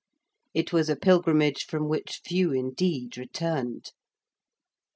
It was a pilgrimage from which few, indeed, returned.